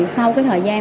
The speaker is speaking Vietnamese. sau cái thời gian